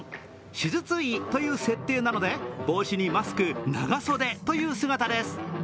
手術医という設定なので帽子にマスク、長袖という姿です。